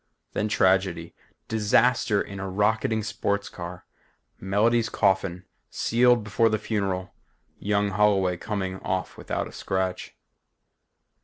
Then tragedy. Disaster in a rocketing sports car; Melody's coffin sealed before the funeral; young Holloway coming off without a scratch.